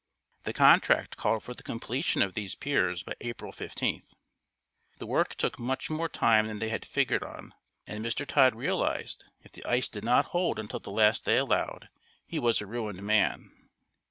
The contract called for the completion of these piers by April 15. The work took much more time than they had figured on and Mr. Todd realized if the ice did not hold until the last day allowed, he was a ruined man.